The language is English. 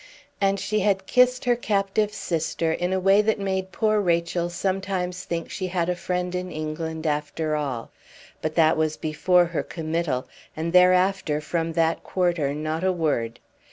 And she had kissed her captive sister in a way that made poor Rachel sometimes think she had a friend in England after all; but that was before her committal; and thereafter from that quarter not a word.